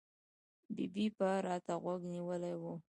ببۍ به را ته غوږ نیولی و.